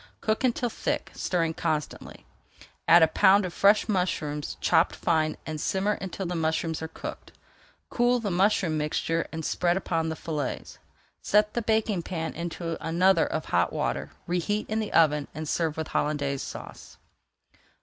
Cook until thick, stirring constantly. Add a pound of fresh mushrooms chopped fine and simmer until the mushrooms are cooked. Cool the mushroom mixture and spread upon the fillets. Set the baking pan into another of hot water, reheat in the oven, and serve with Hollandaise Sauce.